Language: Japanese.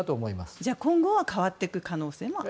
じゃあ今後は変わってくる可能性もあると。